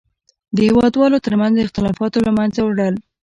د هېوادوالو تر منځ اختلافاتو له منځه وړل.